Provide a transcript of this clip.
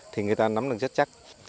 thì người ta nắm được rất chắc